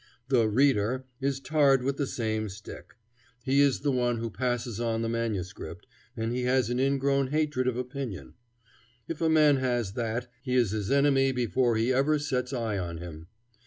The "reader" is tarred with the same stick. He is the one who passes on the manuscript, and he has an ingrown hatred of opinion. If a man has that, he is his enemy before he ever sets eye on him.